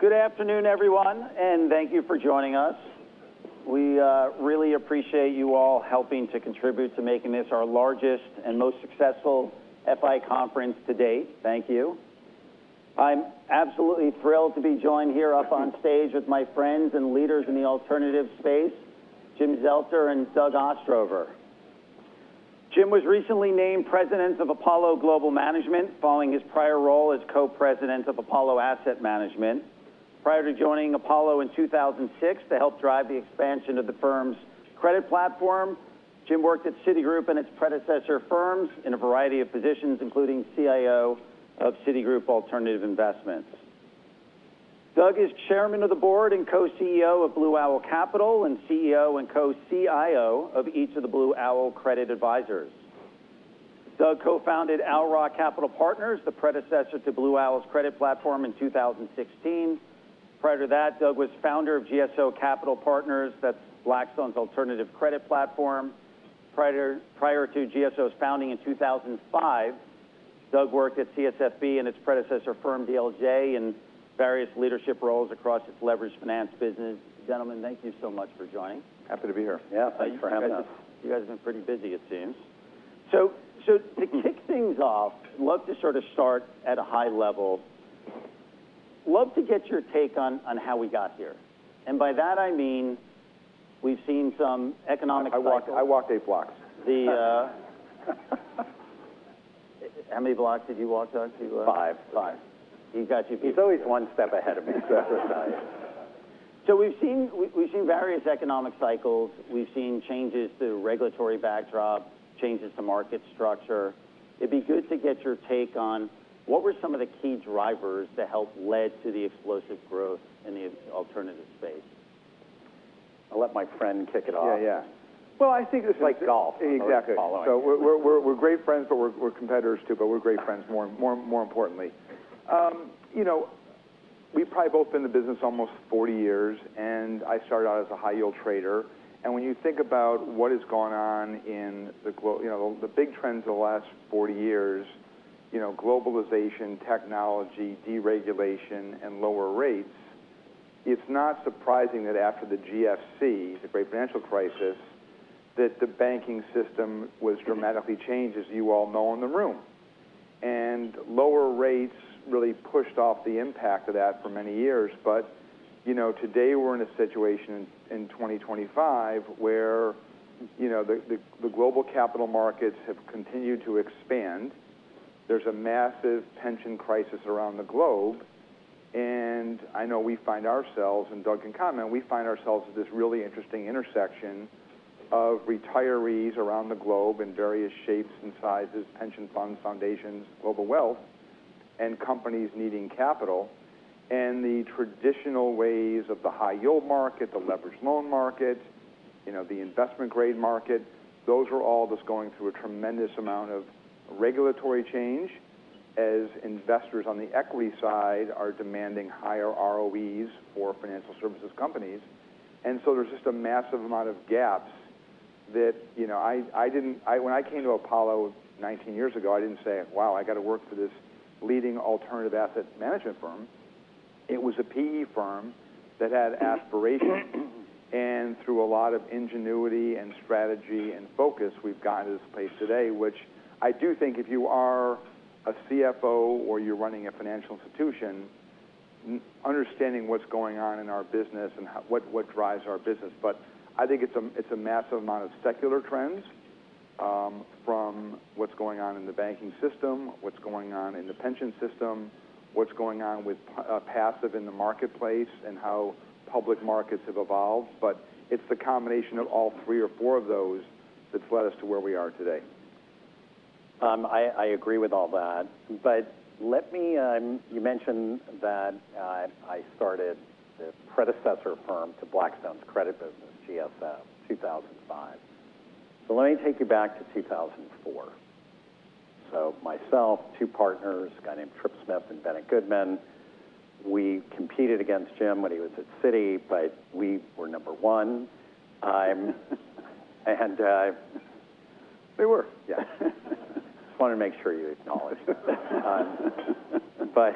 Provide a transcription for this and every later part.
Good afternoon, everyone, and thank you for joining us. We really appreciate you all helping to contribute to making this our largest and most successful FI conference to date. Thank you. I'm absolutely thrilled to be joined here up on stage with my friends and leaders in the alternative space, Jim Zelter and Doug Ostrover. Jim was recently named President of Apollo Global Management following his prior role as Co-President of Apollo Asset Management. Prior to joining Apollo in 2006 to help drive the expansion of the firm's credit platform, Jim worked at Citigroup and its predecessor firms in a variety of positions, including CIO of Citigroup Alternative Investments. Doug is Chairman of the Board and Co-CEO of Blue Owl Capital and CEO and Co-CIO of each of the Blue Owl Credit Advisors. Doug co-founded Owl Rock Capital Partners, the predecessor to Blue Owl's credit platform in 2016. Prior to that, Doug was founder of GSO Capital Partners, that's Blackstone's alternative credit platform. Prior to GSO's founding in 2005, Doug worked at CSFB and its predecessor firm, DLJ, in various leadership roles across its leveraged finance business. Gentlemen, thank you so much for joining. Happy to be here. Yeah, thanks for having us. You guys have been pretty busy, it seems. So to kick things off, I'd love to sort of start at a high level. I'd love to get your take on how we got here, and by that, I mean we've seen some economic cycles. I walked eight blocks. How many blocks did you walk? Five. He's always one step ahead of me. So we've seen various economic cycles. We've seen changes to regulatory backdrop, changes to market structure. It'd be good to get your take on what were some of the key drivers that helped lead to the explosive growth in the alternative space? I'll let my friend kick it off. Yeah, yeah. I think this is like golf. Exactly. So we're great friends, but we're competitors too, but we're great friends, more importantly. We've probably both been in the business almost 40 years, and I started out as a high-yield trader. And when you think about what has gone on in the big trends of the last 40 years, globalization, technology, deregulation, and lower rates, it's not surprising that after the GFC, the Great Financial Crisis, that the banking system was dramatically changed, as you all know in the room. And lower rates really pushed off the impact of that for many years. But today we're in a situation in 2025 where the global capital markets have continued to expand. There's a massive pension crisis around the globe. And I know we find ourselves, and Doug can comment, we find ourselves at this really interesting intersection of retirees around the globe in various shapes and sizes, pension funds, foundations, global wealth, and companies needing capital. And the traditional ways of the high-yield market, the leveraged loan market, the investment-grade market, those are all just going through a tremendous amount of regulatory change as investors on the equity side are demanding higher ROEs for financial services companies. And so there's just a massive amount of gaps that when I came to Apollo 19 years ago, I didn't say, "Wow, I got to work for this leading alternative asset management firm." It was a PE firm that had aspiration. Through a lot of ingenuity and strategy and focus, we've gotten to this place today, which I do think, if you are a CFO or you're running a financial institution, understanding what's going on in our business and what drives our business. I think it's a massive amount of secular trends from what's going on in the banking system, what's going on in the pension system, what's going on with passive in the marketplace, and how public markets have evolved. It's the combination of all three or four of those that's led us to where we are today. I agree with all that, but you mentioned that I started the predecessor firm to Blackstone's credit business, GSO, 2005, so let me take you back to 2004, so myself, two partners, a guy named Tripp Smith and Bennett Goodman. We competed against Jim when he was at Citi, but we were number one. And we were. Yeah. I just wanted to make sure you acknowledged it, but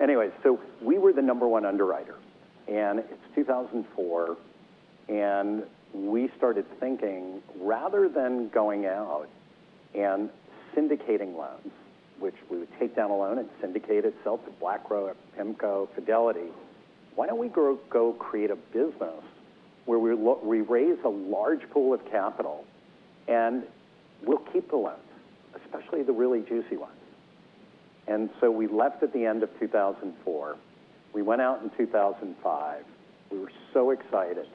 anyway, so we were the number one underwriter. And it's 2004. And we started thinking, rather than going out and syndicating loans, which we would take down a loan and syndicate it to BlackRock, PIMCO, Fidelity, why don't we go create a business where we raise a large pool of capital and we'll keep the loans, especially the really juicy ones. And so we left at the end of 2004. We went out in 2005. We were so excited.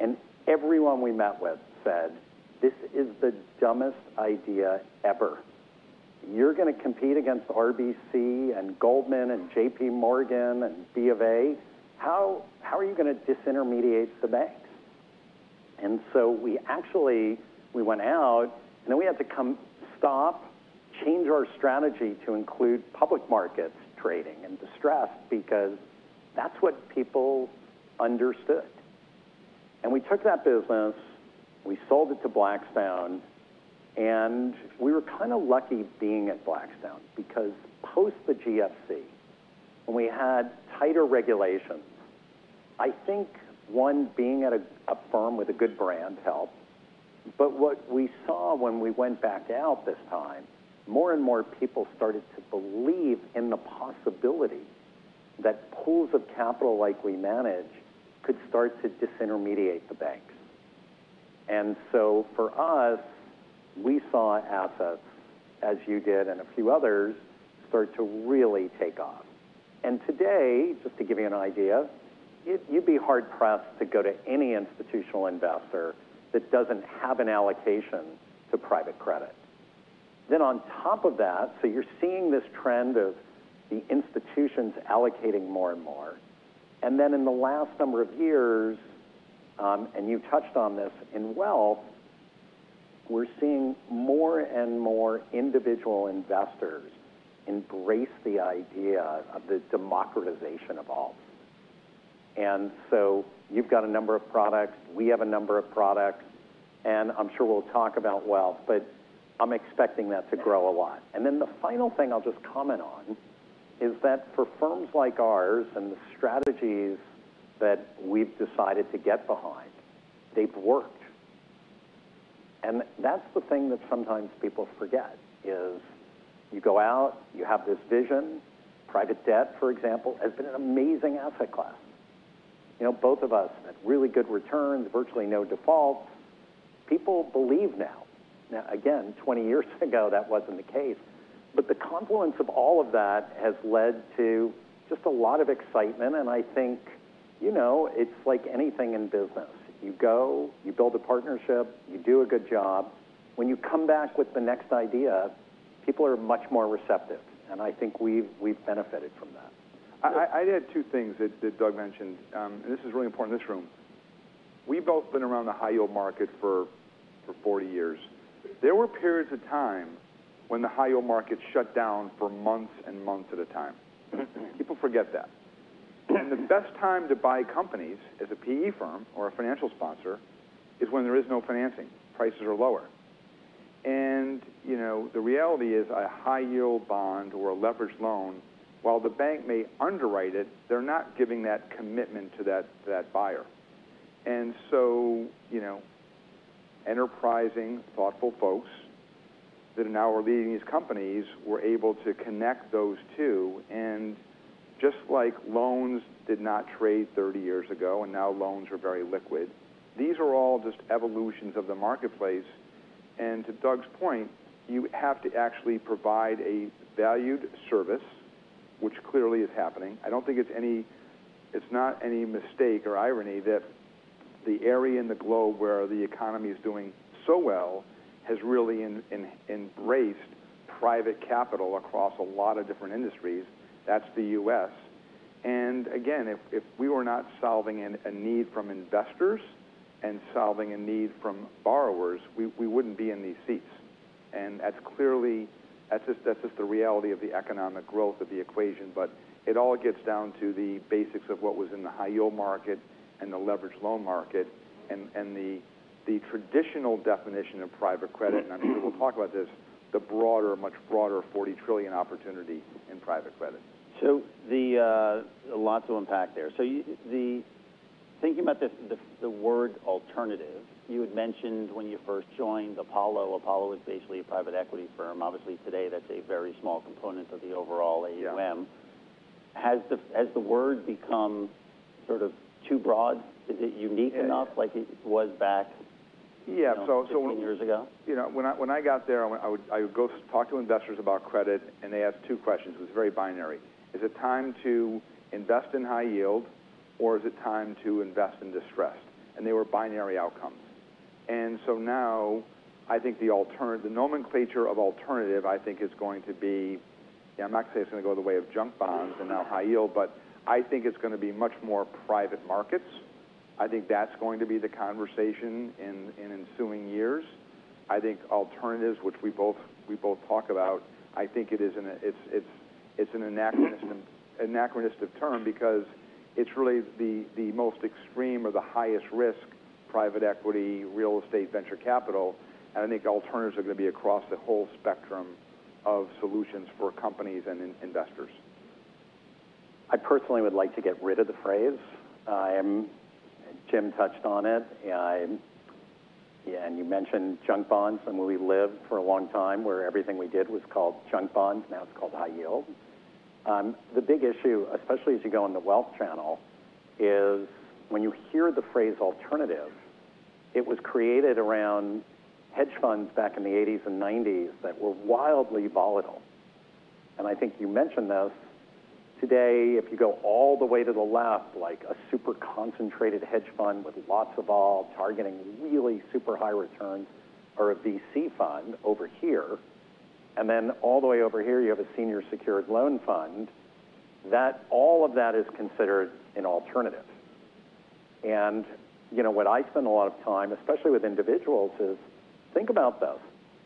And everyone we met with said, "This is the dumbest idea ever. You're going to compete against RBC and Goldman and JPMorgan and BofA. How are you going to disintermediate the banks?" And so we actually went out, and then we had to stop, change our strategy to include public markets trading and distress because that's what people understood. And we took that business. We sold it to Blackstone, and we were kind of lucky being at Blackstone because post the GFC, when we had tighter regulations, I think one being at a firm with a good brand helped. But what we saw when we went back out this time, more and more people started to believe in the possibility that pools of capital like we manage could start to disintermediate the banks. And so for us, we saw assets, as you did and a few others, start to really take off. And today, just to give you an idea, you'd be hard-pressed to go to any institutional investor that doesn't have an allocation to private credit. Then on top of that, so you're seeing this trend of the institutions allocating more and more. And then in the last number of years, and you touched on this in wealth, we're seeing more and more individual investors embrace the idea of the democratization of all. And so you've got a number of products. We have a number of products. And I'm sure we'll talk about wealth, but I'm expecting that to grow a lot. And then the final thing I'll just comment on is that for firms like ours and the strategies that we've decided to get behind, they've worked. And that's the thing that sometimes people forget: you go out, you have this vision. Private debt, for example, has been an amazing asset class. Both of us had really good returns, virtually no defaults. People believe now. Now, again, 20 years ago, that wasn't the case. But the confluence of all of that has led to just a lot of excitement. And I think it's like anything in business. You go, you build a partnership, you do a good job. When you come back with the next idea, people are much more receptive. And I think we've benefited from that. I'd add two things that Doug mentioned. And this is really important in this room. We've both been around the high-yield market for 40 years. There were periods of time when the high-yield market shut down for months and months at a time. People forget that. And the best time to buy companies as a PE firm or a financial sponsor is when there is no financing. Prices are lower. And the reality is a high-yield bond or a leveraged loan, while the bank may underwrite it, they're not giving that commitment to that buyer. And so enterprising, thoughtful folks that now are leading these companies were able to connect those two. And just like loans did not trade 30 years ago, and now loans are very liquid, these are all just evolutions of the marketplace. and to Doug's point, you have to actually provide a valued service, which clearly is happening. I don't think it's not any mistake or irony that the area in the globe where the economy is doing so well has really embraced private capital across a lot of different industries. That's the U.S. And again, if we were not solving a need from investors and solving a need from borrowers, we wouldn't be in these seats. And that's just the reality of the economic growth of the equation. But it all gets down to the basics of what was in the high-yield market and the leveraged loan market and the traditional definition of private credit. And I'm sure we'll talk about this, the broader, much broader $40 trillion opportunity in private credit. So a lot to unpack there. So thinking about the word alternative, you had mentioned when you first joined Apollo, Apollo was basically a private equity firm. Obviously, today, that's a very small component of the overall AUM. Has the word become sort of too broad? Is it unique enough like it was back 15 years ago? Yeah, so when I got there, I would go talk to investors about credit, and they asked two questions. It was very binary. Is it time to invest in high yield, or is it time to invest in distressed? And they were binary outcomes, and so now I think the nomenclature of alternative, I think, is going to be, yeah, I'm not going to say it's going to go the way of junk bonds and now high yield, but I think it's going to be much more private markets. I think that's going to be the conversation in ensuing years. I think alternatives, which we both talk about, I think it's an anachronistic term because it's really the most extreme or the highest risk private equity, real estate, venture capital. And I think alternatives are going to be across the whole spectrum of solutions for companies and investors. I personally would like to get rid of the phrase. Jim touched on it, and you mentioned junk bonds, and we lived for a long time where everything we did was called junk bonds. Now it's called high yield. The big issue, especially as you go on the wealth channel, is when you hear the phrase alternative; it was created around hedge funds back in the '80s and '90s that were wildly volatile, and I think you mentioned this. Today, if you go all the way to the left, like a super concentrated hedge fund with lots of alpha targeting really super high returns or a VC fund over here, and then all the way over here, you have a senior secured loan fund; all of that is considered an alternative, and what I spend a lot of time, especially with individuals, is think about this.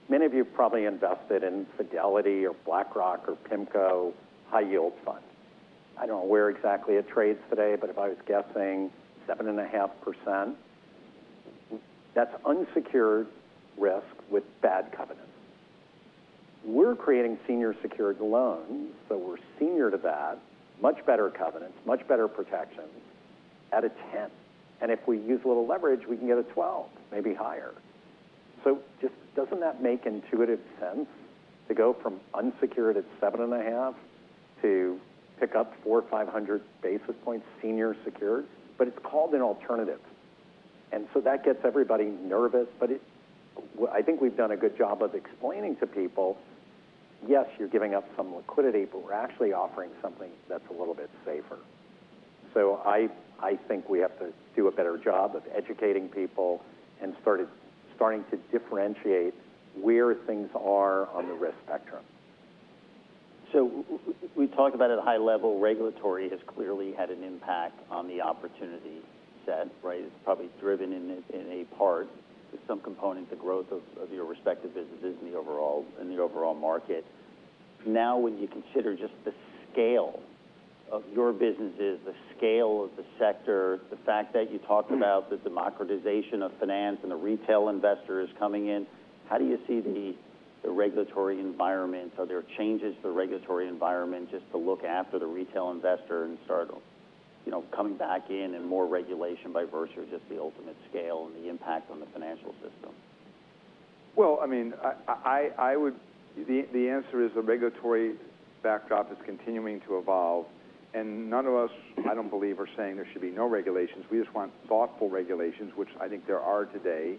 Many of you have probably invested in Fidelity or BlackRock or PIMCO high yield fund. I don't know where exactly it trades today, but if I was guessing 7.5%, that's unsecured risk with bad covenants. We're creating senior secured loans, so we're senior to that, much better covenants, much better protections at a 10%. And if we use a little leverage, we can get a 12%, maybe higher. So just doesn't that make intuitive sense to go from unsecured at 7.5% to pick up 400, 500 basis points senior secured? But it's called an alternative. And so that gets everybody nervous. But I think we've done a good job of explaining to people, yes, you're giving up some liquidity, but we're actually offering something that's a little bit safer. So I think we have to do a better job of educating people and starting to differentiate where things are on the risk spectrum. So we talked about it at a high level. Regulation has clearly had an impact on the opportunity set, right? It's probably driven in a part with some component to growth of your respective businesses and the overall market. Now, when you consider just the scale of your businesses, the scale of the sector, the fact that you talked about the democratization of finance and the retail investors coming in, how do you see the regulatory environment? Are there changes to the regulatory environment just to look after the retail investor and start coming back in and more regulation by virtue of just the ultimate scale and the impact on the financial system? Well, I mean, the answer is the regulatory backdrop is continuing to evolve. And none of us, I don't believe, are saying there should be no regulations. We just want thoughtful regulations, which I think there are today.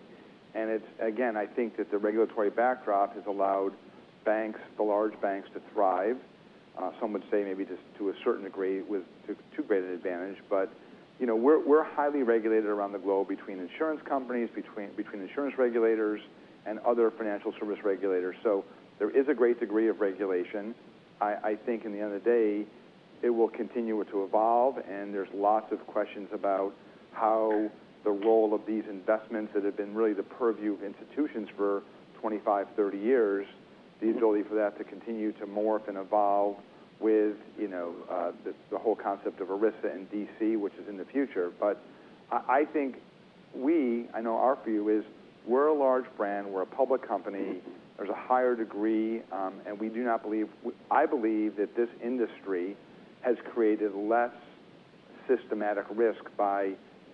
And again, I think that the regulatory backdrop has allowed banks, the large banks, to thrive. Some would say maybe to a certain degree to a greater advantage. But we're highly regulated around the globe between insurance companies, between insurance regulators, and other financial service regulators. So there is a great degree of regulation. I think in the end of the day, it will continue to evolve. And there's lots of questions about how the role of these investments that have been really the purview of institutions for 25, 30 years, the ability for that to continue to morph and evolve with the whole concept of ERISA and DC, which is in the future. But I think we, I know our view is we're a large brand. We're a public company. There's a higher degree. And I believe that this industry has created less systemic risk by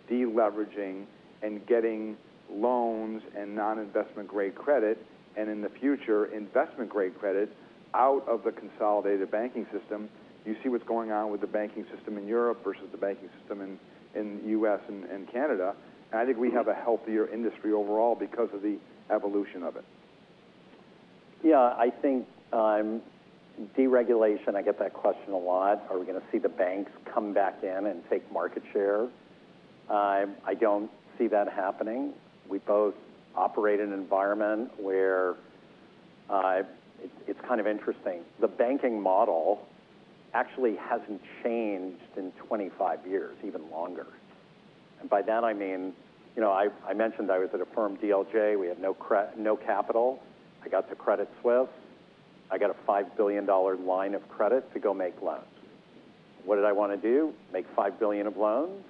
deleveraging and getting loans and non-investment grade credit and in the future investment grade credit out of the consolidated banking system. You see what's going on with the banking system in Europe versus the banking system in the U.S. and Canada. And I think we have a healthier industry overall because of the evolution of it. Yeah. I think deregulation. I get that question a lot. Are we going to see the banks come back in and take market share? I don't see that happening. We both operate in an environment where it's kind of interesting. The banking model actually hasn't changed in 25 years, even longer. And by that, I mean, I mentioned I was at a firm DLJ. We had no capital. I got to Credit Suisse. I got a $5 billion line of credit to go make loans. What did I want to do? Make $5 billion of loans,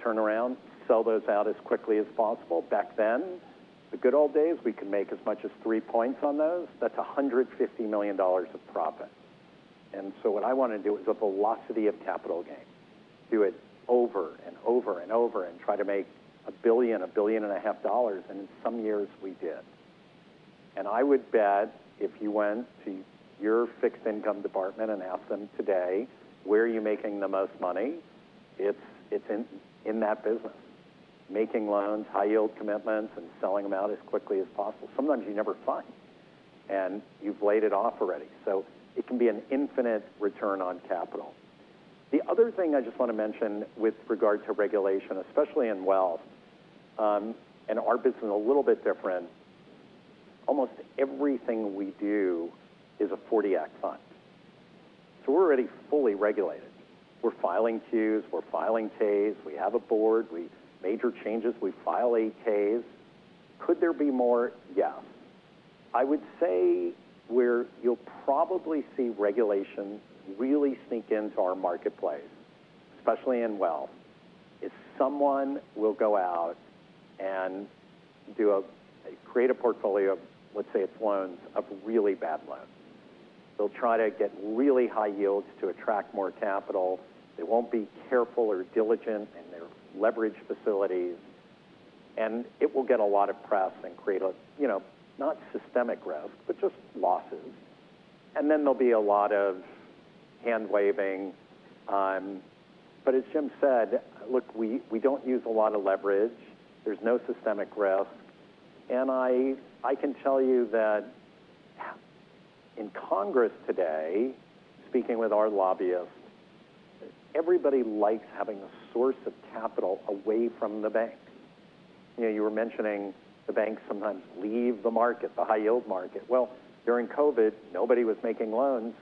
turn around, sell those out as quickly as possible. Back then, the good old days, we could make as much as three points on those. That's $150 million of profit. And so what I wanted to do was a velocity of capital gain. Do it over and over and over and try to make $1 billion, $1.5 billion. In some years, we did. I would bet if you went to your fixed income department and asked them today, where are you making the most money? It's in that business. Making loans, high yield commitments, and selling them out as quickly as possible. Sometimes you never find. You've laid it off already. So it can be an infinite return on capital. The other thing I just want to mention with regard to regulation, especially in wealth, and our business is a little bit different. Almost everything we do is a 40 Act fund. So we're already fully regulated. We're filing Qs. We're filing Ks. We have a board. We make major changes. We file 8-Ks. Could there be more? Yes. I would say where you'll probably see regulation really sneak into our marketplace, especially in wealth, is someone will go out and create a portfolio of, let's say, it's loans of really bad loans. They'll try to get really high yields to attract more capital. They won't be careful or diligent in their leverage facilities. And it will get a lot of press and create not systemic risk, but just losses. And then there'll be a lot of hand waving. But as Jim said, look, we don't use a lot of leverage. There's no systemic risk. And I can tell you that in Congress today, speaking with our lobbyists, everybody likes having a source of capital away from the bank. You were mentioning the banks sometimes leave the market, the high yield market. Well, during COVID, nobody was making loans.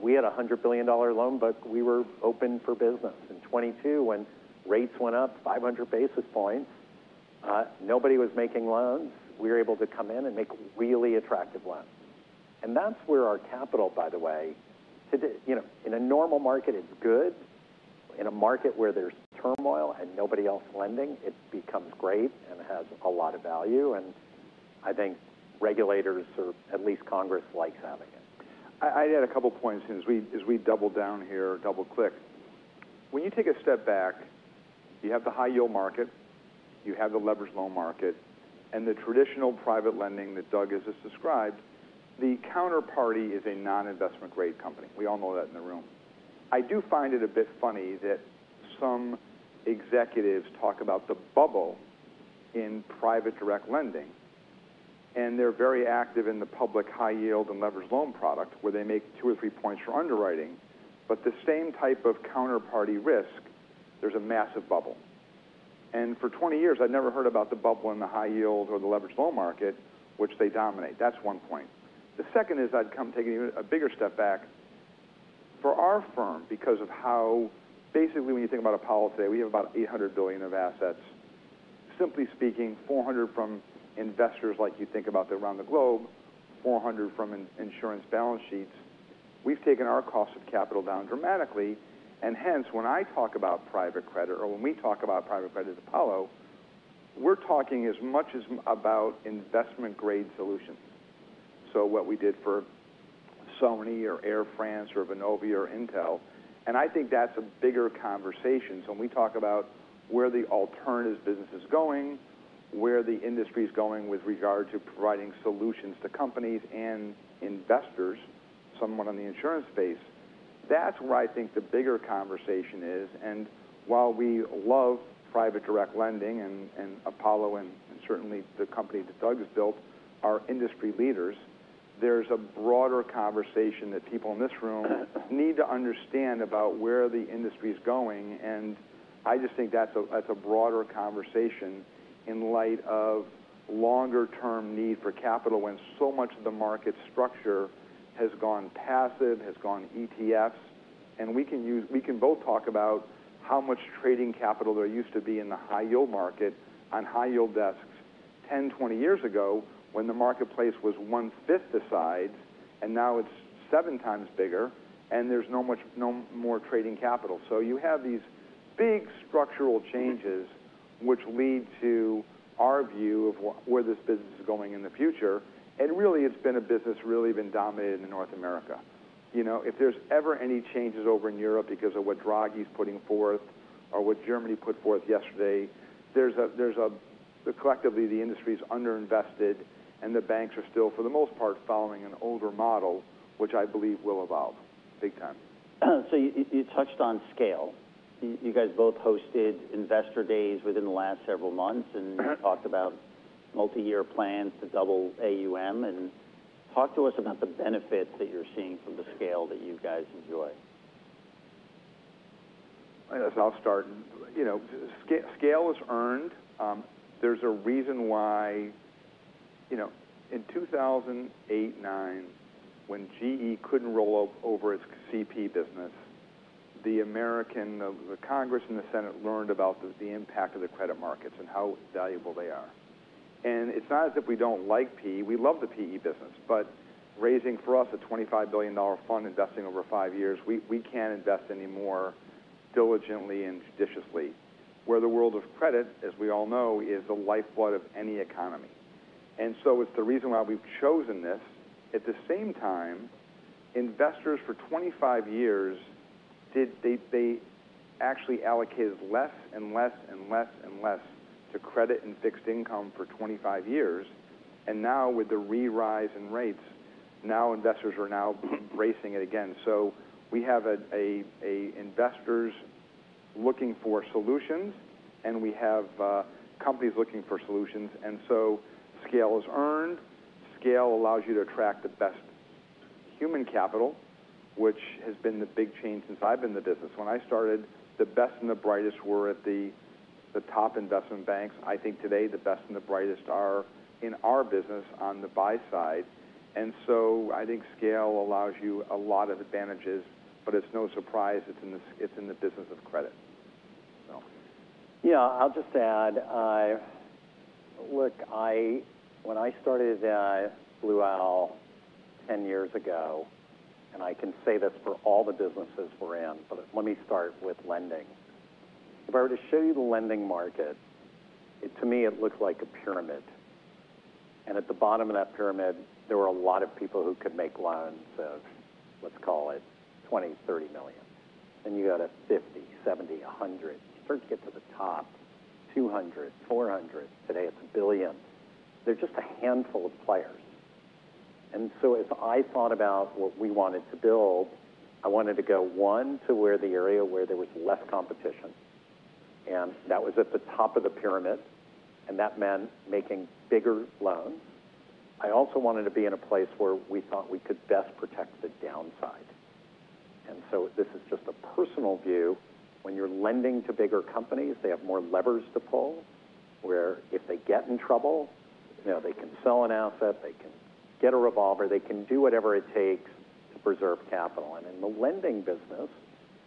We had a $100 billion loan, but we were open for business. In 2022, when rates went up 500 basis points, nobody was making loans. We were able to come in and make really attractive loans. And that's where our capital, by the way, in a normal market, it's good. In a market where there's turmoil and nobody else lending, it becomes great and has a lot of value. And I think regulators, or at least Congress, likes having it. I'd add a couple of points as we double down here, double click. When you take a step back, you have the high yield market. You have the leveraged loan market. And the traditional private lending that Doug has just described, the counterparty is a non-investment grade company. We all know that in the room. I do find it a bit funny that some executives talk about the bubble in private direct lending. And they're very active in the public high yield and leveraged loan product where they make two or three points for underwriting. But the same type of counterparty risk, there's a massive bubble. And for 20 years, I'd never heard about the bubble in the high yield or the leveraged loan market, which they dominate. That's one point. The second is I'd come take a bigger step back for our firm because of how basically when you think about a policy, we have about $800 billion of assets. Simply speaking, $400 billion from investors like you think about around the globe, $400 billion from insurance balance sheets. We've taken our cost of capital down dramatically. And hence, when I talk about private credit or when we talk about private credit at Apollo, we're talking as much about investment grade solutions. So what we did for Sony or Air France or Vonovia or Intel. And I think that's a bigger conversation. So when we talk about where the alternative business is going, where the industry is going with regard to providing solutions to companies and investors, someone on the insurance space, that's where I think the bigger conversation is. And while we love private direct lending and Apollo and certainly the company that Doug has built, our industry leaders, there's a broader conversation that people in this room need to understand about where the industry is going. And I just think that's a broader conversation in light of longer-term need for capital when so much of the market structure has gone passive, has gone ETFs. And we can both talk about how much trading capital there used to be in the high yield market on high yield desks 10, 20 years ago when the marketplace was one fifth the size, and now it's seven times bigger, and there's no more trading capital. So you have these big structural changes, which lead to our view of where this business is going in the future. And really, it's been a business really dominated in North America. If there's ever any changes over in Europe because of what Draghi is putting forth or what Germany put forth yesterday, collectively, the industry is underinvested, and the banks are still, for the most part, following an older model, which I believe will evolve big time. So you touched on scale. You guys both hosted investor days within the last several months and talked about multi-year plans to double AUM. And talk to us about the benefit that you're seeing from the scale that you guys enjoy? I guess I'll start. Scale is earned. There's a reason why in 2008, 2009, when GE couldn't roll over its CP business, the American, the Congress and the Senate learned about the impact of the credit markets and how valuable they are. And it's not as if we don't like PE. We love the PE business. But raising for us a $25 billion fund investing over five years, we can't invest anymore diligently and judiciously where the world of credit, as we all know, is the lifeblood of any economy. And so it's the reason why we've chosen this. At the same time, investors for 25 years, they actually allocated less and less and less and less to credit and fixed income for 25 years. And now with the re-rise in rates, now investors are now embracing it again. So we have investors looking for solutions, and we have companies looking for solutions. And so scale is earned. Scale allows you to attract the best human capital, which has been the big change since I've been in the business. When I started, the best and the brightest were at the top investment banks. I think today the best and the brightest are in our business on the buy side. And so I think scale allows you a lot of advantages. But it's no surprise it's in the business of credit. Yeah. I'll just add. Look, when I started at Blue Owl 10 years ago, and I can say this for all the businesses we're in, but let me start with lending. If I were to show you the lending market, to me, it looks like a pyramid. And at the bottom of that pyramid, there were a lot of people who could make loans of, let's call it, $20 million-$30 million. And you got a $50 million, $70 million, $100 million. You start to get to the top, $200 million, $400 million. Today, it's $1 billion. They're just a handful of players. And so as I thought about what we wanted to build, I wanted to go, one, to where the area where there was less competition. And that was at the top of the pyramid. And that meant making bigger loans. I also wanted to be in a place where we thought we could best protect the downside, and so this is just a personal view. When you're lending to bigger companies, they have more levers to pull where if they get in trouble, they can sell an asset, they can get a revolver, they can do whatever it takes to preserve capital, and in the lending business,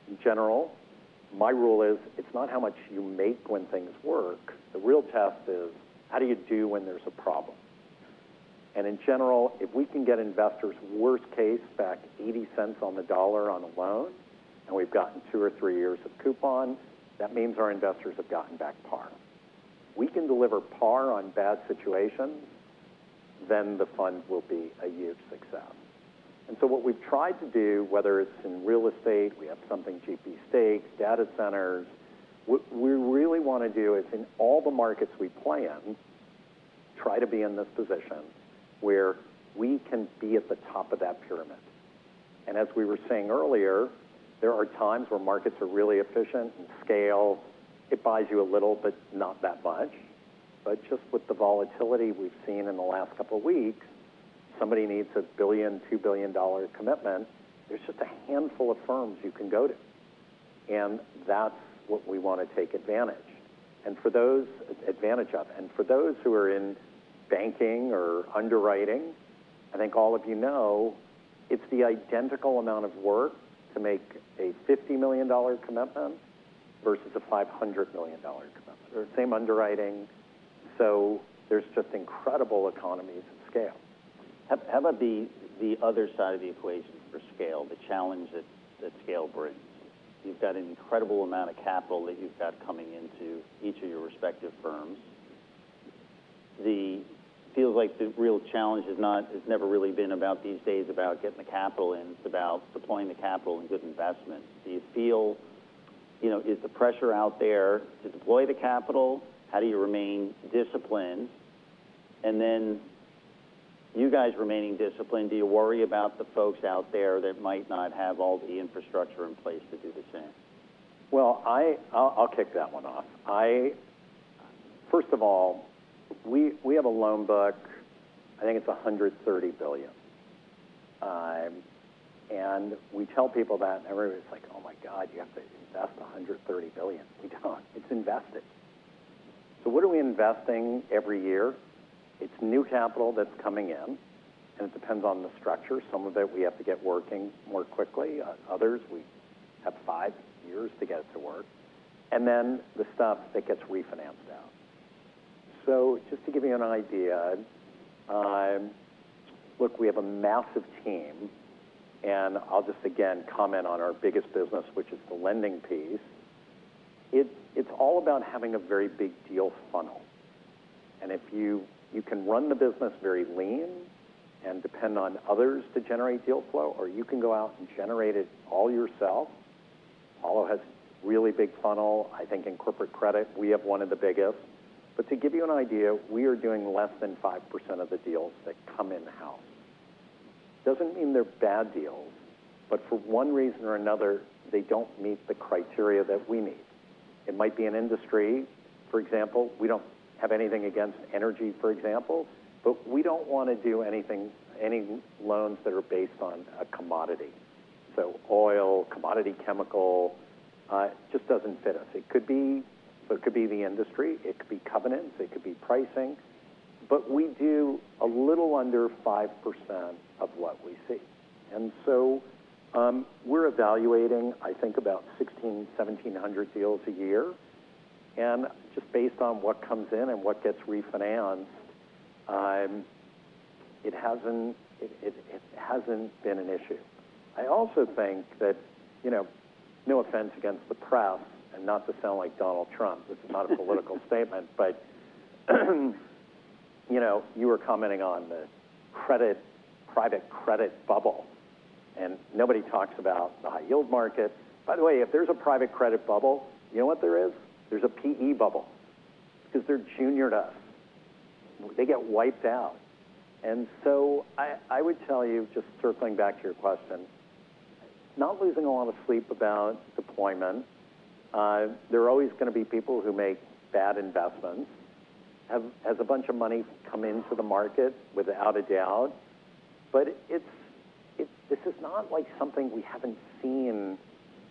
in general, my rule is it's not how much you make when things work. The real test is how do you do when there's a problem, and in general, if we can get investors, worst case, back $0.80 on the dollar on a loan, and we've gotten two or three years of coupons, that means our investors have gotten back par. We can deliver par on bad situations, then the fund will be a huge success. And so what we've tried to do, whether it's in real estate, we have something GP stakes, data centers, what we really want to do is in all the markets we play in, try to be in this position where we can be at the top of that pyramid. And as we were saying earlier, there are times where markets are really efficient and scale, it buys you a little, but not that much. But just with the volatility we've seen in the last couple of weeks, somebody needs $1 billion-$2 billion commitment, there's just a handful of firms you can go to. And that's what we want to take advantage of. And for those who are in banking or underwriting, I think all of you know it's the identical amount of work to make a $50 million commitment versus a $500 million commitment. They're the same underwriting. So there's just incredible economies of scale. How about the other side of the equation for scale, the challenge that scale brings? You've got an incredible amount of capital that you've got coming into each of your respective firms. It feels like the real challenge has never really been about these days about getting the capital in. It's about deploying the capital and good investment. Do you feel is the pressure out there to deploy the capital? How do you remain disciplined? And then you guys remaining disciplined, do you worry about the folks out there that might not have all the infrastructure in place to do the same? Well, I'll kick that one off. First of all, we have a loan book, I think it's $130 billion. And we tell people that, and everybody's like, "Oh my God, you have to invest $130 billion." We don't. It's invested. So what are we investing every year? It's new capital that's coming in. And it depends on the structure. Some of it we have to get working more quickly. Others, we have five years to get it to work. And then the stuff that gets refinanced out. So just to give you an idea, look, we have a massive team. And I'll just again comment on our biggest business, which is the lending piece. It's all about having a very big deal funnel. And if you can run the business very lean and depend on others to generate deal flow, or you can go out and generate it all yourself. Apollo has a really big funnel. I think in corporate credit, we have one of the biggest. But to give you an idea, we are doing less than 5% of the deals that come in-house. Doesn't mean they're bad deals, but for one reason or another, they don't meet the criteria that we need. It might be an industry. For example, we don't have anything against energy, for example, but we don't want to do any loans that are based on a commodity. So oil, commodity chemical, it just doesn't fit us. It could be the industry. It could be covenants. It could be pricing. But we do a little under 5% of what we see. And so we're evaluating, I think, about 1,600, 1,700 deals a year. And just based on what comes in and what gets refinanced, it hasn't been an issue. I also think that no offense against the press, and not to sound like Donald Trump, this is not a political statement, but you were commenting on the private credit bubble. And nobody talks about the high yield market. By the way, if there's a private credit bubble, you know what there is? There's a PE bubble because they're junior to us. They get wiped out. And so I would tell you, just circling back to your question, not losing a lot of sleep about deployment. There are always going to be people who make bad investments. Has a bunch of money come into the market without a doubt. But this is not like something we haven't seen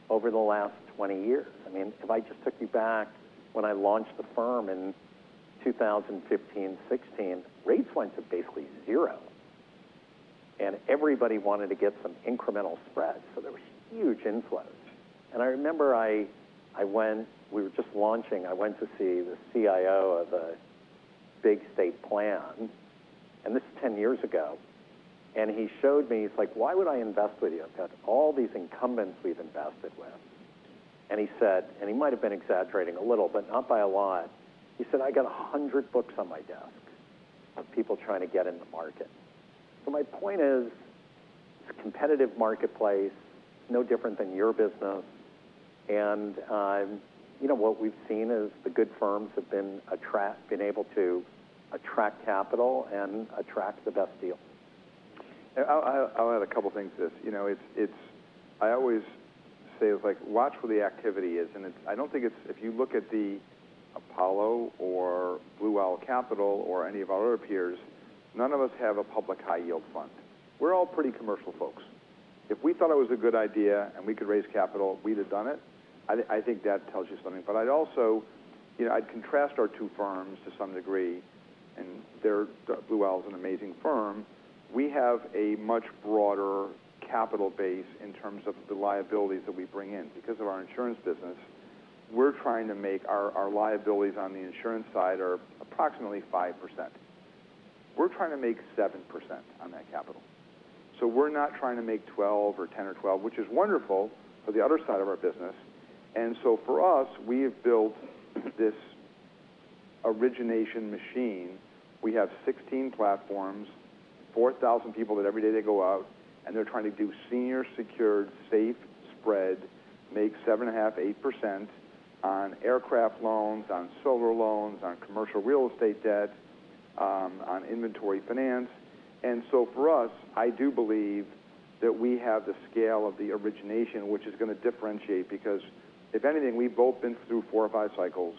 over the last 20 years. I mean, if I just took you back when I launched the firm in 2015, 2016, rates went to basically zero. Everybody wanted to get some incremental spreads. So there were huge inflows. I remember we were just launching. I went to see the CIO of a big state plan. This is 10 years ago. He showed me. He's like, "Why would I invest with you? I've got all these incumbents we've invested with." He said, and he might have been exaggerating a little, but not by a lot. He said, "I got 100 books on my desk of people trying to get in the market." So my point is it's a competitive marketplace, no different than your business. What we've seen is the good firms have been able to attract capital and attract the best deal. I'll add a couple of things to this. I always say, it's like, watch where the activity is. And I don't think it's if you look at the Apollo or Blue Owl Capital or any of our other peers, none of us have a public high yield fund. We're all pretty commercial folks. If we thought it was a good idea and we could raise capital, we'd have done it. I think that tells you something. But I'd also contrast our two firms to some degree. And Blue Owl is an amazing firm. We have a much broader capital base in terms of the liabilities that we bring in. Because of our insurance business, we're trying to make our liabilities on the insurance side are approximately 5%. We're trying to make 7% on that capital. So we're not trying to make 12 or 10 or 12, which is wonderful for the other side of our business. And so for us, we have built this origination machine. We have 16 platforms, 4,000 people that every day they go out, and they're trying to do senior secured safe spread, make 7.5%, 8% on aircraft loans, on solar loans, on commercial real estate debt, on inventory finance. And so for us, I do believe that we have the scale of the origination, which is going to differentiate because if anything, we've both been through four or five cycles.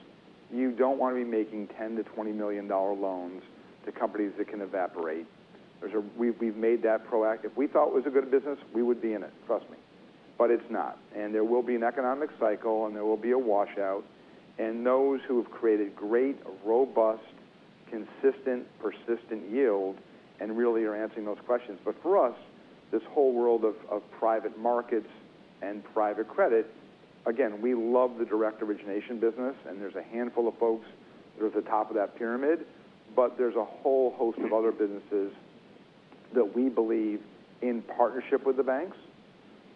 You don't want to be making $10 million-$20 million loans to companies that can evaporate. We've made that proactive. We thought it was a good business. We would be in it, trust me. But it's not. And there will be an economic cycle, and there will be a washout. And those who have created great, robust, consistent, persistent yield and really are answering those questions. But for us, this whole world of private markets and private credit, again, we love the direct origination business, and there's a handful of folks that are at the top of that pyramid. But there's a whole host of other businesses that we believe in partnership with the banks,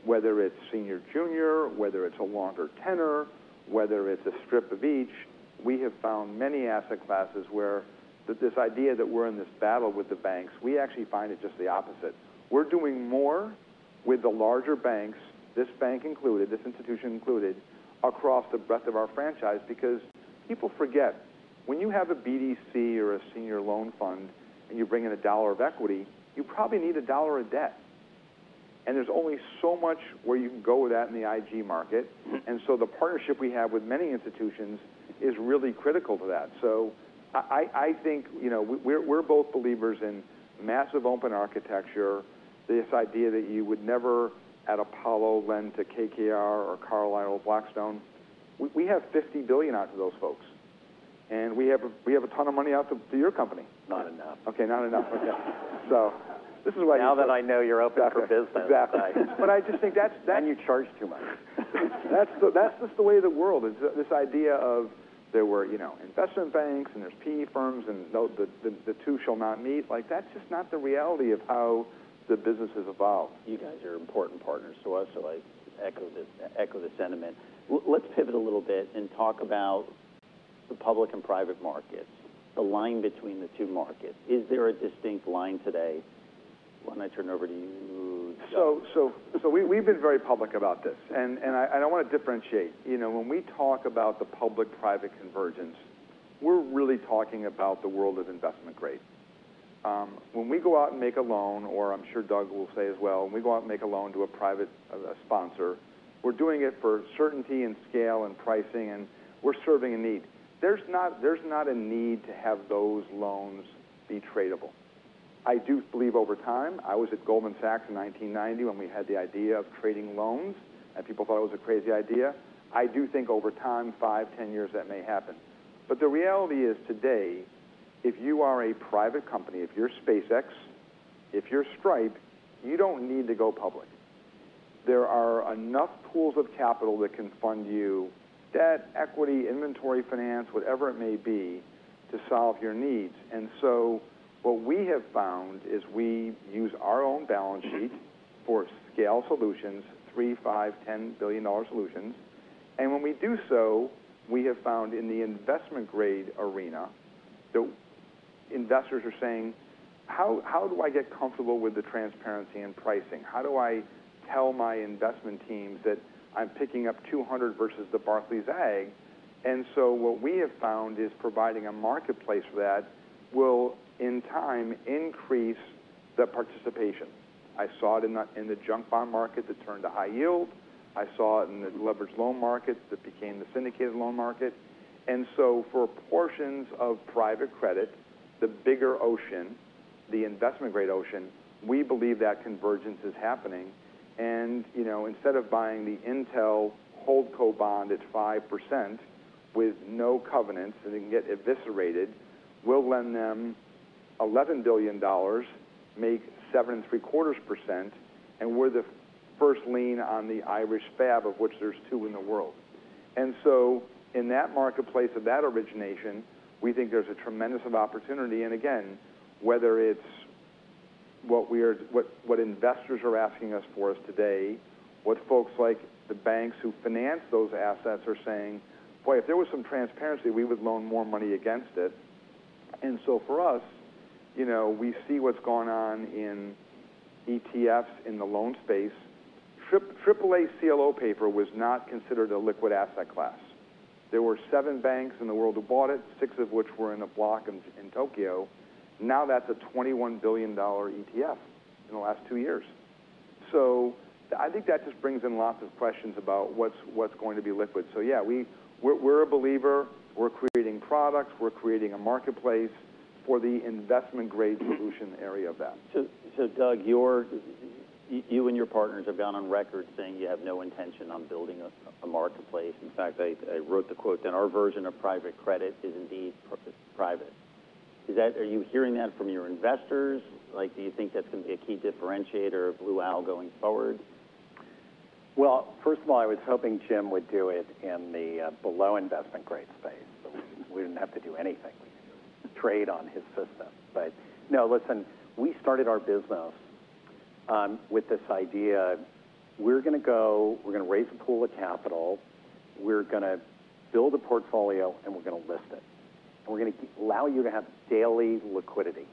whether it's senior junior, whether it's a longer tenor, whether it's a strip of each. We have found many asset classes where this idea that we're in this battle with the banks, we actually find it just the opposite. We're doing more with the larger banks, this bank included, this institution included, across the breadth of our franchise because people forget. When you have a BDC or a senior loan fund and you bring in a dollar of equity, you probably need a dollar of debt. And there's only so much where you can go with that in the IG market. And so the partnership we have with many institutions is really critical to that. So I think we're both believers in massive open architecture, this idea that you would never at Apollo lend to KKR or Carlyle or Blackstone. We have $50 billion out to those folks. And we have a ton of money out to your company. Not enough. Okay, not enough. So this is why you say. Now that I know you're open for business. Exactly. But I just think that's. You charge too much. That's just the way the world is. This idea of there were investment banks and there's PE firms and the two shall not meet, that's just not the reality of how the business has evolved. You guys are important partners to us. So I echo the sentiment. Let's pivot a little bit and talk about the public and private markets, the line between the two markets. Is there a distinct line today? Why don't I turn it over to you? So we've been very public about this. And I don't want to differentiate. When we talk about the public-private convergence, we're really talking about the world of investment grade. When we go out and make a loan, or I'm sure Doug will say as well, when we go out and make a loan to a private sponsor, we're doing it for certainty and scale and pricing, and we're serving a need. There's not a need to have those loans be tradable. I do believe over time, I was at Goldman Sachs in 1990 when we had the idea of trading loans, and people thought it was a crazy idea. I do think over time, 5, 10 years, that may happen. But the reality is today, if you are a private company, if you're SpaceX, if you're Stripe, you don't need to go public. There are enough pools of capital that can fund you, debt, equity, inventory finance, whatever it may be, to solve your needs. And so what we have found is we use our own balance sheet for scale solutions, $3 billion, $5 billion, $10 billion solutions. And when we do so, we have found in the investment grade arena, the investors are saying, "How do I get comfortable with the transparency and pricing? How do I tell my investment teams that I'm picking up 200 versus the Barclays Agg?" And so what we have found is providing a marketplace for that will in time increase the participation. I saw it in the junk bond market that turned to high yield. I saw it in the leveraged loan market that became the syndicated loan market. And so for portions of private credit, the bigger ocean, the investment grade ocean, we believe that convergence is happening. And instead of buying the Intel Holdco bond at 5% with no covenants and it can get eviscerated, we'll lend them $11 billion, make 7 and three quarters%, and we're the first lien on the Irish fab of which there's two in the world. And so in that marketplace of that origination, we think there's a tremendous opportunity. And again, whether it's what investors are asking us for us today, what folks like the banks who finance those assets are saying, "Boy, if there was some transparency, we would loan more money against it." And so for us, we see what's going on in ETFs in the loan space. AAA CLO paper was not considered a liquid asset class. There were seven banks in the world who bought it, six of which were in a block in Tokyo. Now that's a $21 billion ETF in the last two years. So I think that just brings in lots of questions about what's going to be liquid. So yeah, we're a believer. We're creating products. We're creating a marketplace for the investment grade solution area of that. So Doug, you and your partners have gone on record saying you have no intention on building a marketplace. In fact, I wrote the quote that our version of private credit is indeed private. Are you hearing that from your investors? Do you think that's going to be a key differentiator of Blue Owl going forward? First of all, I was hoping Jim would do it in the below investment grade space. We didn't have to do anything. We could trade on his system. But no, listen, we started our business with this idea. We're going to go, we're going to raise a pool of capital. We're going to build a portfolio, and we're going to list it. And we're going to allow you to have daily liquidity.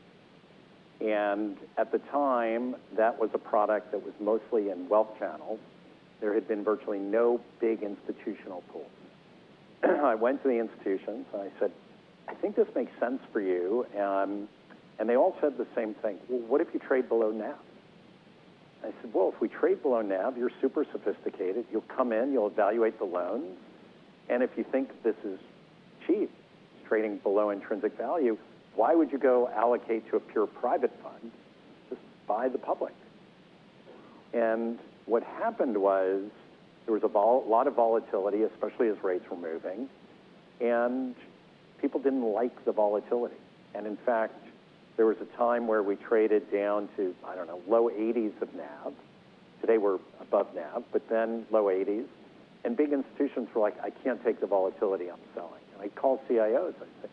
And at the time, that was a product that was mostly in wealth channels. There had been virtually no big institutional pools. I went to the institutions, and I said, "I think this makes sense for you." And they all said the same thing. "Well, what if you trade below NAV?" I said, "Well, if we trade below NAV, you're super sophisticated. You'll come in, you'll evaluate the loans. If you think this is cheap, it's trading below intrinsic value, why would you go allocate to a pure private fund? Just buy the public." What happened was there was a lot of volatility, especially as rates were moving. People didn't like the volatility. In fact, there was a time where we traded down to, I don't know, low 80s of NAV. Today we're above NAV, but then low 80s. Big institutions were like, "I can't take the volatility. I'm selling." I called CIOs. I said,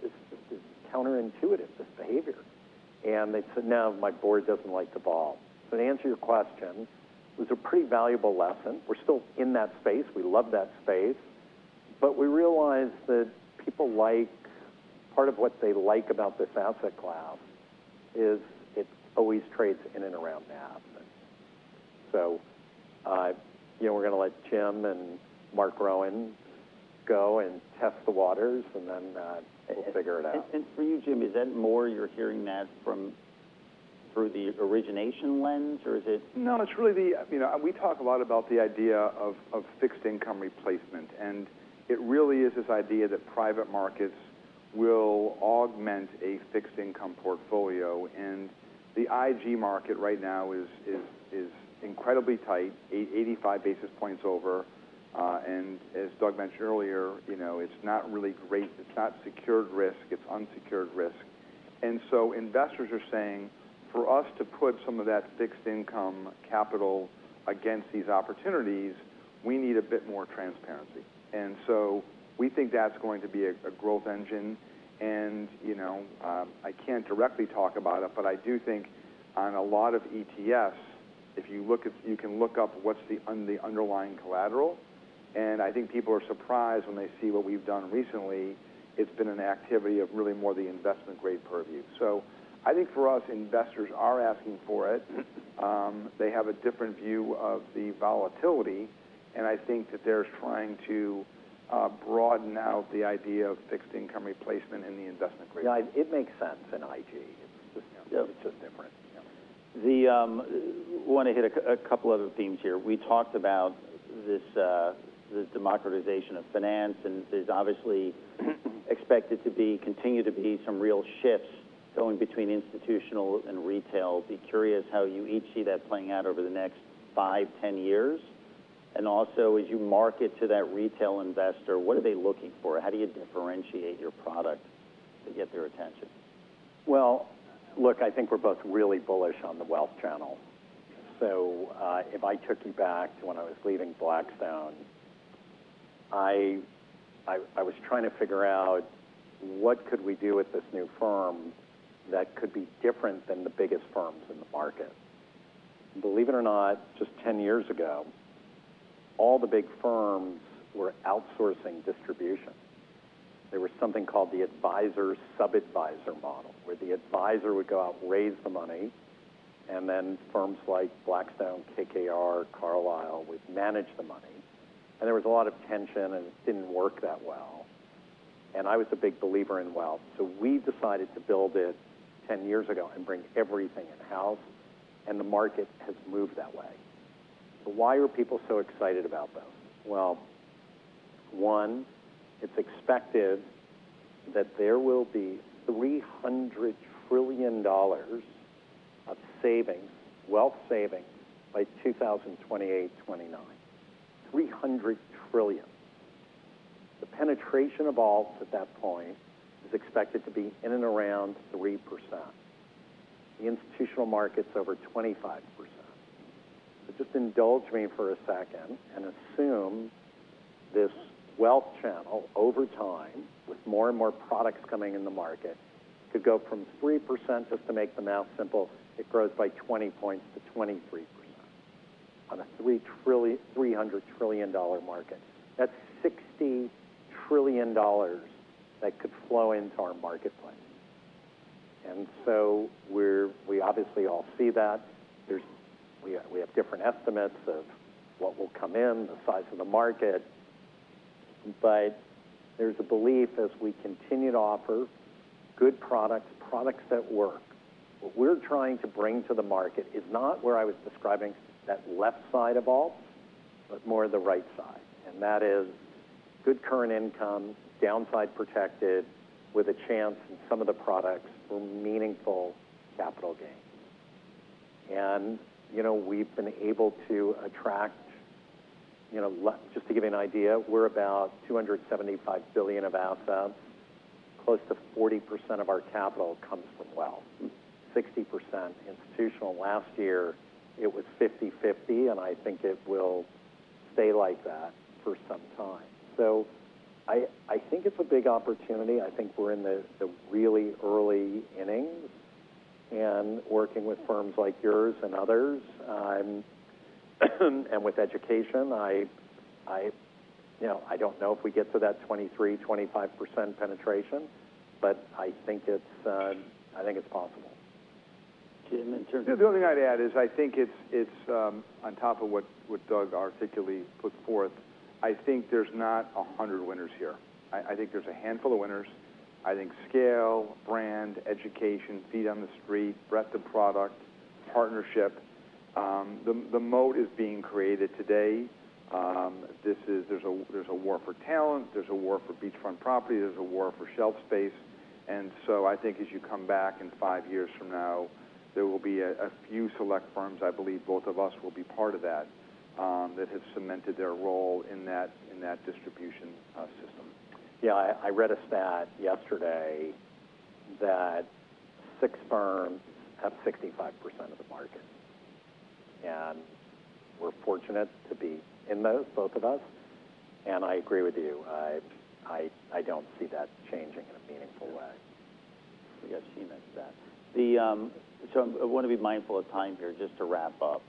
"This is counterintuitive, this behavior." They said, "No, my board doesn't like the vol." To answer your question, it was a pretty valuable lesson. We're still in that space. We love that space. But we realized that people like part of what they like about this asset class is it always trades in and around NAV. So we're going to let Jim and Mark Rowan go and test the waters, and then we'll figure it out. For you, Jim, is that more you're hearing that through the origination lens, or is it? No, it's really that we talk a lot about the idea of fixed income replacement. And it really is this idea that private markets will augment a fixed income portfolio. And the IG market right now is incredibly tight, 85 basis points over. And as Doug mentioned earlier, it's not really great. It's not secured risk. It's unsecured risk. And so investors are saying, "For us to put some of that fixed income capital against these opportunities, we need a bit more transparency." And so we think that's going to be a growth engine. And I can't directly talk about it, but I do think on a lot of ETFs, you can look up what's the underlying collateral. And I think people are surprised when they see what we've done recently. It's been an activity of really more the investment grade purview. So I think for us, investors are asking for it. They have a different view of the volatility. And I think that they're trying to broaden out the idea of fixed income replacement in the investment grade. It makes sense in IG. It's just different. We want to hit a couple of other themes here. We talked about this democratization of finance, and there's obviously expected to continue to be some real shifts going between institutional and retail. I'm curious how you each see that playing out over the next five, 10 years. And also, as you market to that retail investor, what are they looking for? How do you differentiate your product to get their attention? Look, I think we're both really bullish on the wealth channel. So if I took you back to when I was leaving Blackstone, I was trying to figure out what could we do with this new firm that could be different than the biggest firms in the market. Believe it or not, just 10 years ago, all the big firms were outsourcing distribution. There was something called the advisor-sub-advisor model, where the advisor would go out, raise the money, and then firms like Blackstone, KKR, Carlyle would manage the money. And there was a lot of tension, and it didn't work that well. And I was a big believer in wealth. So we decided to build it 10 years ago and bring everything in-house. And the market has moved that way. So why are people so excited about them? One, it's expected that there will be $300 trillion of savings, wealth savings by 2028-2029. 300 trillion. The penetration of alts at that point is expected to be in and around 3%. The institutional market's over 25%. Just indulge me for a second and assume this wealth channel over time, with more and more products coming in the market, could go from 3%. Just to make the math simple, it grows by 20 points to 23% on a $300 trillion market. That's $60 trillion that could flow into our marketplace, and so we obviously all see that. We have different estimates of what will come in, the size of the market, but there's a belief as we continue to offer good products, products that work. What we're trying to bring to the market is not where I was describing that left side of alts, but more the right side. And that is good current income, downside protected, with a chance in some of the products for meaningful capital gains. And we've been able to attract, just to give you an idea, we're about $275 billion of assets. Close to 40% of our capital comes from wealth. 60% institutional. Last year, it was 50/50, and I think it will stay like that for some time. So I think it's a big opportunity. I think we're in the really early innings and working with firms like yours and others. And with education, I don't know if we get to that 23%-25% penetration, but I think it's possible. Jim. The only thing I'd add is, I think it's on top of what Doug articulately put forth. I think there's not 100 winners here. I think there's a handful of winners. I think scale, brand, education, feet on the street, breadth of product, partnership. The moat is being created today. There's a war for talent. There's a war for beachfront property. There's a war for shelf space. And so I think as you come back in five years from now, there will be a few select firms, I believe both of us will be part of that, that have cemented their role in that distribution system. Yeah, I read a stat yesterday that six firms have 65% of the market. And we're fortunate to be in those, both of us. And I agree with you. I don't see that changing in a meaningful way. We got to see that stat. So I want to be mindful of time here. Just to wrap up,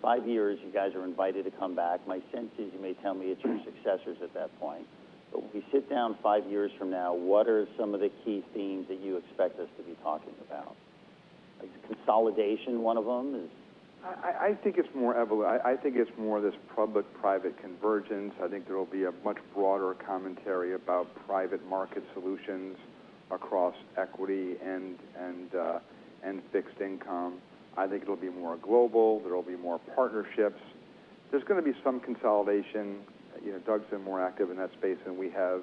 five years, you guys are invited to come back. My sense is you may tell me it's your successors at that point. But when we sit down five years from now, what are some of the key themes that you expect us to be talking about? Consolidation, one of them is. I think it's more this public-private convergence. I think there will be a much broader commentary about private market solutions across equity and fixed income. I think it'll be more global. There'll be more partnerships. There's going to be some consolidation. Doug's been more active in that space than we have.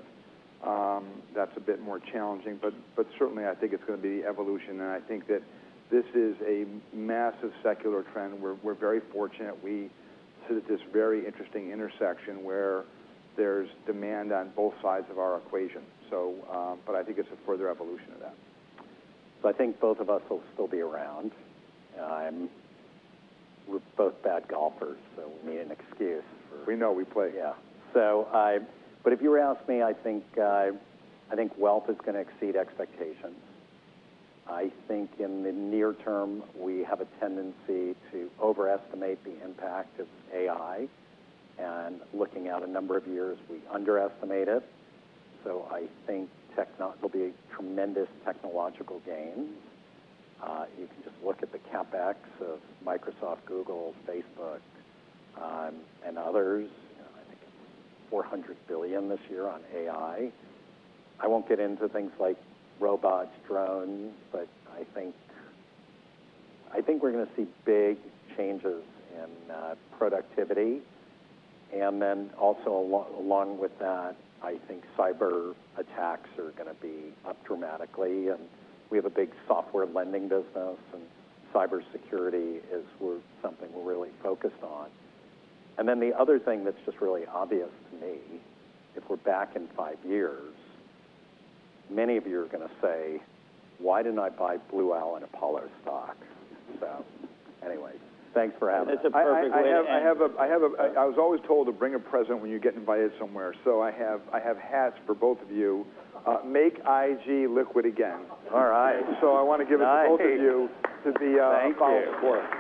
That's a bit more challenging. But certainly, I think it's going to be the evolution. And I think that this is a massive secular trend. We're very fortunate. We sit at this very interesting intersection where there's demand on both sides of our equation. But I think it's a further evolution of that. So I think both of us will still be around. We're both bad golfers, so we need an excuse for. We know we play. Yeah. But if you were to ask me, I think wealth is going to exceed expectations. I think in the near term, we have a tendency to overestimate the impact of AI. And looking out a number of years, we underestimate it. So I think there'll be tremendous technological gains. You can just look at the CapEx of Microsoft, Google, Facebook, and others. I think it's $400 billion this year on AI. I won't get into things like robots, drones, but I think we're going to see big changes in productivity. And then also along with that, I think cyber attacks are going to be up dramatically. And we have a big software lending business. And cybersecurity is something we're really focused on. And then the other thing that's just really obvious to me, if we're back in five years, many of you are going to say, "Why didn't I buy Blue Owl and Apollo stock?" So anyway, thanks for having me. It's a perfect lead. I was always told to bring a present when you get invited somewhere. So I have hats for both of you. Make IG liquid again. All right. So I want to give it to both of you to be applauded for.